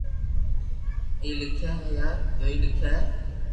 ٿي لکيا ھي يا جوئي لکيا ھي